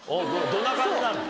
どんな感じなの？